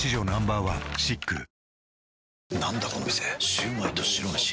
シュウマイと白めし。